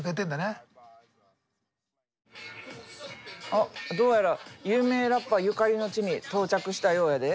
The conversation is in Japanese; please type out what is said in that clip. おっどうやら有名ラッパーゆかりの地に到着したようやで。